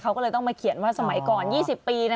เขาก็เลยต้องมาเขียนว่าสมัยก่อน๒๐ปี